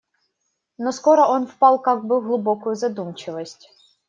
Но скоро он впал как бы в глубокую задумчивость.